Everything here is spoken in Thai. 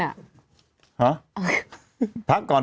ห้าพักก่อน